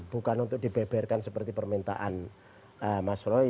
bukan untuk dibeberkan seperti permintaan mas roy